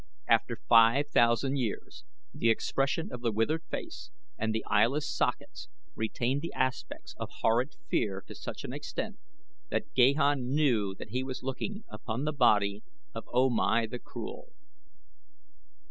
After five thousand years the expression of the withered face and the eyeless sockets retained the aspect of horrid fear to such an extent, that Gahan knew that he was looking upon the body of O Mai the Cruel.